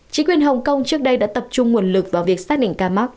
chính quyền hồng kông trước đây đã tập trung nguồn lực vào việc xác định ca mắc